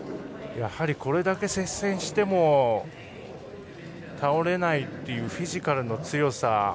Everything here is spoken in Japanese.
やはりこれだけ接戦しても倒れないというフィジカルの強さ。